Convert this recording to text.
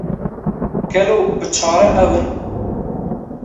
Gelo biçare ew in?